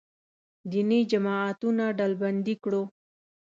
دیني جماعتونه ډلبندي کړو.